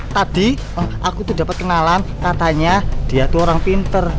tadi aku tuh dapat kenalan katanya dia tuh orang pinter